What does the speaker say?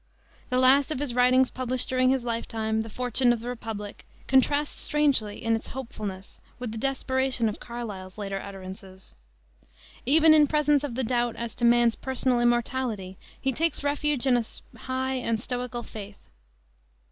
The last of his writings published during his life time, the Fortune of the Republic, contrasts strangely in its hopefulness with the desperation of Carlyle's later utterances. Even in presence of the doubt as to man's personal immortality he takes refuge in a high and stoical faith.